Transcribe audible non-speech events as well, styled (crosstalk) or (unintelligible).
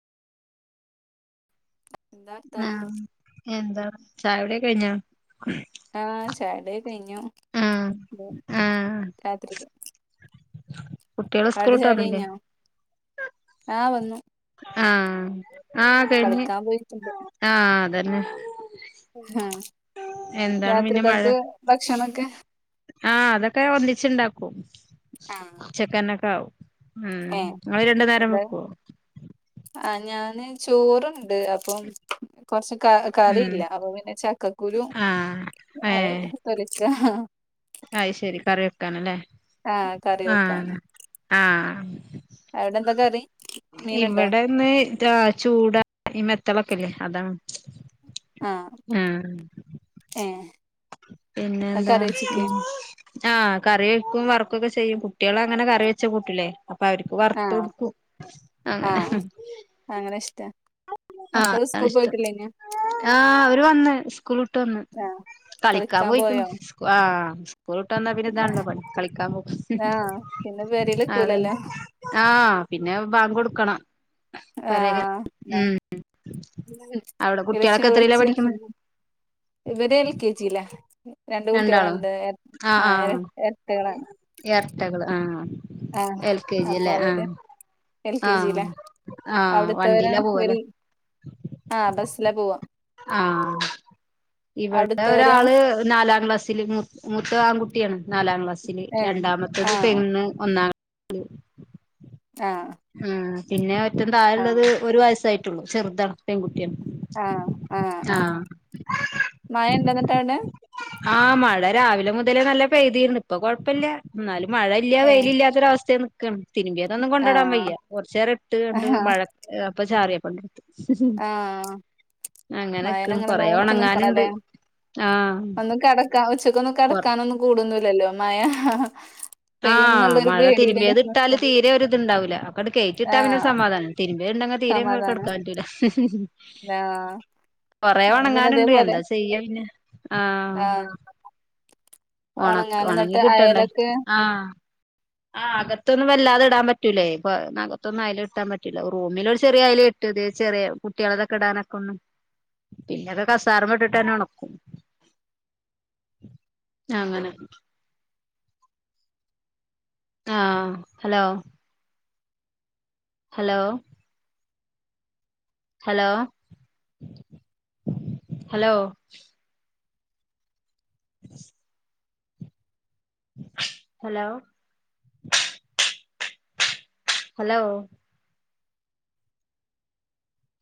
എന്താ വർത്താനം ആഹ്, ഇനി എന്താ ചായകുടി ഒക്കെ കഴിഞ്ഞോ? ആഹ്, ചായ കുടി ഒക്കെ കഴിഞ്ഞു. ആഹ് ആഹ് രാത്രിക്... കുട്ടികൾ സ്കൂൾ വിട്ട് ചായുടി വന്നില്ലേ? കഴിഞ്ഞോ ആഹ് വന്നു ആഹ്, ആഹ് തന്നെ കളിക്കാൻ പോയിട്ടുണ്ട് ആഹ് അതന്നെ. ആഹ്, എന്താണ് പിന്നെ മഴ രാത്രികക്ക് ഭക്ഷണൊക്കെ? ആഹ് അതൊക്കെ ഒന്നിച്ചുണ്ടാക്കും, ഉച്ചക്കന്നൊക്കെ ആകും. ഉം, ഏഹ് നിങ്ങൾ രണ്ടു നേരം എന്താ വെക്കോ? ആഹ്, ഞാന് ചോറുണ്ട് അപ്പം... കൊറച്ച് ഉം കറിയില്ല. അപ്പൊ പിന്നെ, ചക്കക്കുരു... ആഹ് (unintelligible) അയ് ശരി, കറി വെക്കാനല്ലേ? ആഹ് കറി ആഹ് ആഹ്.. അവിടെന്ത ക്കറി? ഇവിടെന്ന് ചൂടാ ഈ മെത്തളൊക്കെല്ലേ അത... ആഹ് ആഹ്‌ ഏഹ് പിന്നെ അത് എന്താ? കറി വെച്ച്ക്കേ ഉം. ആഹ്, കറി വെക്കും വർക്കൊക്കെ ചെയ്യും കുട്ടികള അങ്ങനെ കറി വെച്ച കൂട്ടില്ലേ? അപ്പൊ അവർക്ക് വറുത്ത് ആഹ് കൊടുക്കും അങ്ങനെ. ആഹ് അങ്ങനെ ഇഷ്ടാ ആഹ് മക്കള് അതാണ് സ്കൂൾ ഇഷ്ടം പോയിട്ടില്ലേനെ? ആഹ്, അവര് വന്ന് സ്കൂൾ ഇട്ട് വന്ന്. ആഹ്‌, കളിക്കാൻ പോയിക്ക്ണ്, ആ് സ്കൂൾട്ട് വന്നാ പിന്നെ ഇതാണല്ലോ പണി, കളിക്കാൻ പോ ആഹ്, പിന്നെ പരീല്ക്കൂലല്ലോ. ആഹ, പിന്നെ പാങ്കൊടുക്കണം. ആഹ്. (unintelligible) അവിടെ കുട്ടികളൊക്കെ എത്രയിലാ പഠിക്കുന്നത് ഇവര് എൽ കെ ജില, രണ്ട് രണ്ടാളോ കുട്ടികളുണ്ട് ആ എരട്ടുകളാണ്. എർട്ടകള് ആഹ്, എൽ കെ ജി അപ്പൊ അല്ലേ അവര് ആഹ്. എൽ കെ ജിയിലാ ആഹ് ആഹ്, അവിടുത്തവരോ വണ്ടിയിലാ വൽ പോവല്ലേ? ആഹ്, ബസ്സില പോവ. ആഹ്, ഇവിടെ അവിടുത്തവരോ ഒരാള് നാലാം ക്ലാസ്സിൽ മൂത്ത ആൺകുട്ടി കുട്ടിയാണ് നാലാം ക്ലാസ്സില്, ഏഹ് രണ്ടാമത്തത് ആഹ് പെണ്ണ്, ഒന്നാം ക്ലാസല്. ആഹ്, ആഹ്, പിന്നെ ഏറ്റ താഴ ഉുള്ളത് ആഹ് ഒരു വയസ്സായിട്ടുള്ളൂ ചെറുതാണ്. പെൺകുട്ട്യാണ് ആഹ് മഴ ഇണ്ടോ എന്നിട്ട് അവിടെ ആഹ് മഴ രാവിലെ മുതലേ നല്ല പെയ്തിര്ന്ന് ഇപ്പൊ കൊഴപ്പെല്ല ഇന്നാലും മഴ ഇല്ല വെയില് ഏഹ് ഇല്ലാത്തൊരുഅവസ്ഥയി നിക്കാണ് തിര്മ്പ്യതൊന്നും കൊണ്ടടാൻ വയ്യ് ആഹ് കൊറച്ചേരം ഇട്ട് കാണ്ട് ആഹ് മഴ പ് ചാറിയപ്പ ആഹ് അങ്ങനെ നിക്കാണ് മഴനെങ്ങനെ കൊറേ നോക്കി ഒണങ്ങാനുണ്ട് നിക്കണംല്ലേ ആഹ് ഒന്ന് കെടക്കാഉച്ചക്കാെന്നു കൊറ കെടക്കാനൊന്നും കൂടാെന്നുല്ലല്ലോ മഴ ആഹ് പെയ്യുന്നുള്ളൊരു മഴ പേടിയില് തിരുമ്പിയത് ട്ടാല് നിക്കും തീരെ ഒരിത്ണ്ടാവുല്ല ഒക്കട് കേറ്റിട്ടാപിന്നെ ആഹ് സമാധാനം തിരിമ്പിയ ഇണ്ടെങ്കി തീരെങ്ങട് സമാധാനം കെടക്കാൻപറ്റൂല ആഹ് കൊറെ അത് പിന്നെ ഒണങ്ങാന്ണ്ട് ഇതേപോലെ എന്താ ചെയ്യ പിന്നെ ആഹ് ഒണക് ഒണങ്ങാന് ഒണങ്ങി എന്നിട്ട് കിട്ടണ്ടേ അയലൊക്കെ ആഹ് ആഹ് അകത്തൊന്നും വല്ലാതെ ഇടാം പറ്റൂലെ പ്പൊ അകത്തൊന്നും അയലെട്ടാൻ പറ്റൂല റൂമില് ഒരു ചെറിയ അയല് ഇട്ട ട്ട്തെ ചെറിയ കുട്ട്യോളതാെക്കടാനൊക്കൊന്ന് പിന്നൊക്കെ കസാറമ്മട്ടിട്ടന്നെ ഒണക്കും നങ്ങനെ ആഹ് hello hello hello hello hello hello